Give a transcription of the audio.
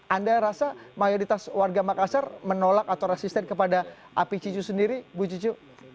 anda rasa mayoritas warga makassar menolak atau resisten kepada api cicu sendiri bu cicu